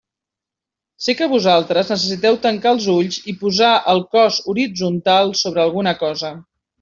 Sé que vosaltres necessiteu tancar els ulls i posar el cos horitzontal sobre alguna cosa.